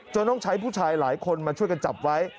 ต้องใช้ผู้ชายหลายคนมาช่วยกันจับไว้